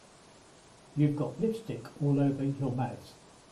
You've got lipstick all over your mouth.